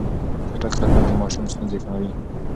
چټک خدمت د ماشوم ستونزې کموي.